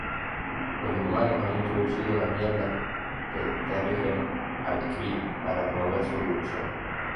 Los Inhumanos han introducido las Nieblas de Terrigen al Kree para promover su evolución.